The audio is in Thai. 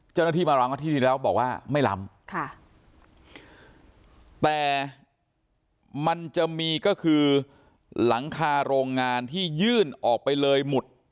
เจ้าหน้าที่มารั้งว่าที่นี่แล้วบอกว่าไม่ล้ำค่ะแต่มันจะมีก็คือหลังคาโรงงานที่ยื่นออกไปเลยหมุด